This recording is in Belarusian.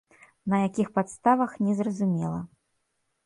На якіх падставах, незразумела.